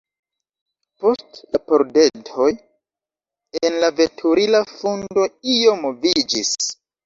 Post la pordetoj en la veturila fundo io moviĝis.